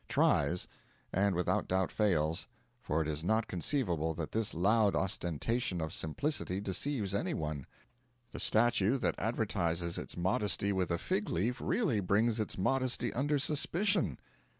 Tries, and without doubt fails, for it is not conceivable that this loud ostentation of simplicity deceives any one. The statue that advertises its modesty with a fig leaf really brings its modesty under suspicion.